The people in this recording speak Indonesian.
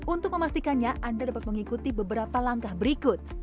untuk memastikannya anda dapat mengikuti beberapa langkah berikut